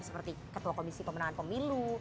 seperti ketua komisi pemenangan pemilu